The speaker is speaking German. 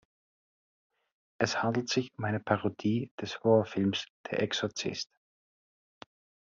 Es handelt sich um eine Parodie des Horrorfilms "Der Exorzist".